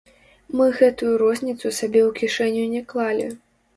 Мы гэтую розніцу сабе ў кішэню не клалі.